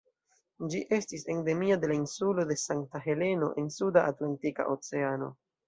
Ĝi estis endemia de la insulo de Sankta Heleno en Suda Atlantika Oceano.